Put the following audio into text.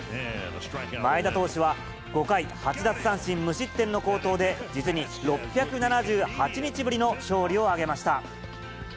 前田投手は、５回８奪三振無失点の好投で、実に６７８日ぶりの勝利を挙げました。